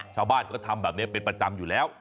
ชาวบ้านเขาทำแบบนี้เป็นประจำอยู่แล้ว